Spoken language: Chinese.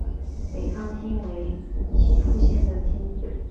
北方町为岐阜县的町。